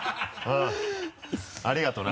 ありがとな。